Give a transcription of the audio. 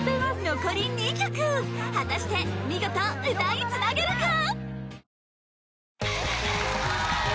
残り２曲果たして見事歌いつなげるか？